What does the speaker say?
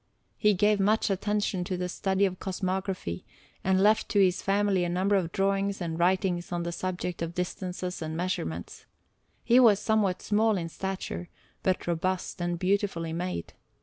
He gave much attention to the study of cosmography, and left to his family a number of drawings and writings on the subject of distances and measurements. He was somewhat small in stature, but robust and beautifully made.